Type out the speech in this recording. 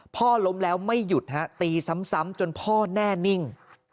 พ่อล้มแล้วไม่หยุดฮะตีซ้ำจนพ่อแน่นิ่ง